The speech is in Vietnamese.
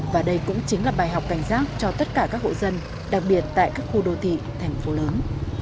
và đây cũng chính là bài học cảnh giác cho tất cả các hộ dân đặc biệt tại các khu đô thị thành phố lớn